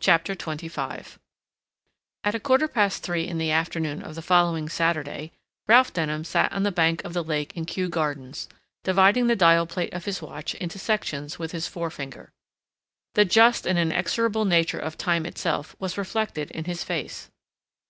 CHAPTER XXV At a quarter past three in the afternoon of the following Saturday Ralph Denham sat on the bank of the lake in Kew Gardens, dividing the dial plate of his watch into sections with his forefinger. The just and inexorable nature of time itself was reflected in his face.